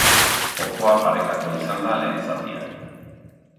Jokoa parekatua izan da lehen zatian.